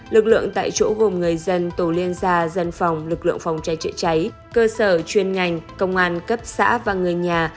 lực lượng tại chỗ gồm người dân tổ liên gia dân phòng lực lượng phòng cháy chữa cháy cơ sở chuyên ngành công an cấp xã và người nhà